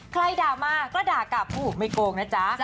ด่ามาก็ด่ากลับผู้ไม่โกงนะจ๊ะ